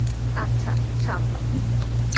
আচ্ছা, সামলাও।